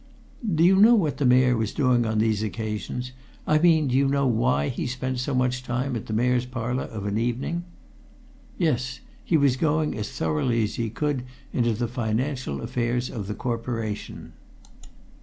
"Do you know what the Mayor was doing on these occasions I mean, do you know why he spent so much time at the Mayor's Parlour of an evening?" "Yes. He was going as thoroughly as he could into the financial affairs of the Corporation."